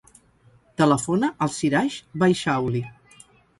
Telefona al Siraj Baixauli.